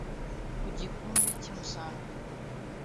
Ku Gikumba cy'i Musambira